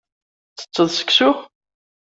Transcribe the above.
Ttetteḍ seksu?